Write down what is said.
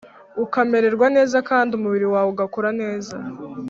ukamererwa neza kandi umubiri wawe ugakora neza